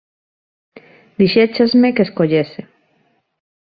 Dixéchesme que escollese.